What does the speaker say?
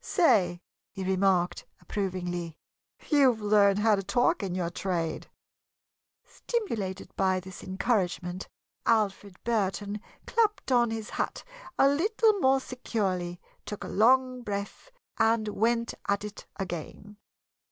"Say," he remarked, approvingly, "you've learned how to talk in your trade!" Stimulated by this encouragement, Alfred Burton clapped on his hat a little more securely, took a long breath, and went at it again.